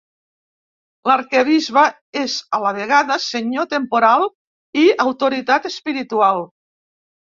L'arquebisbe és a la vegada senyor temporal i autoritat espiritual.